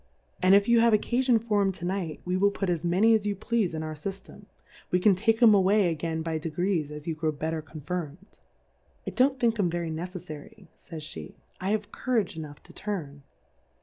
And if you have occaiion tor 'em to Night, we will put as many as you pleafe in our Sy ftem, we can take 'em away again by De grees as you grow better confirmed. I don't think 'em very neceflary, fays /7;^, I have Courage enough to turn.